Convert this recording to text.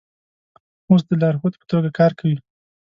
اوس د لارښود په توګه کار کوي.